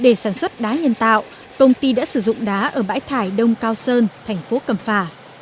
để sản xuất đá nhân tạo công ty đã sử dụng đá ở bãi thải đông cao sơn thành phố cẩm phả